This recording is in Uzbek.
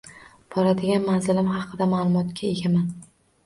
Boradigan manzilim haqida maʼlumotga egaman.